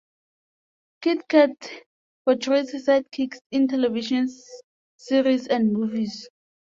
Kitkat portrays sidekicks in television series and movies.